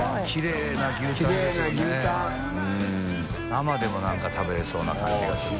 生でも何か食べれそうな感じがする。